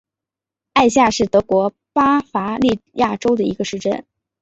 艾夏是德国巴伐利亚州的一个市镇。